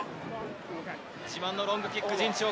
自慢のロングキック。